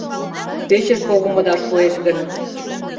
Пӧчыж погымыда шуэш гын